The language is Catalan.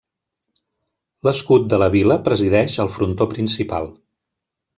L'escut de la vila presideix el frontó principal.